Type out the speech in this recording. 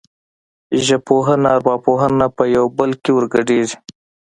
ژبپوهنه او ارواپوهنه په یو بل کې ورګډېږي